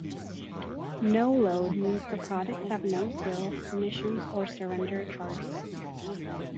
"No-load" means the products have no sales commissions or surrender charges.